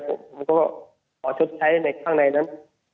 ผมก็ขอชดใช้ในข้างในนั้น